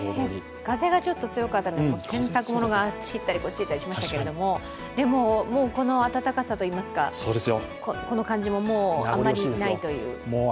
風がちょっと強かったんですけど、洗濯物があっちいったりこっちいったりしましたけど、この暖かさというかこの感じももうあまりないという。